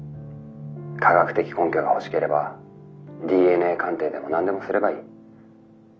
科学的根拠が欲しければＤＮＡ鑑定でも何でもすればいい。